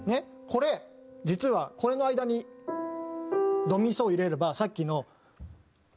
これ実はこれの間に「ドミソ」を入れればさっきの。